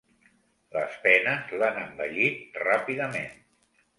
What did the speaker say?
Les penes l'han envellit ràpidament.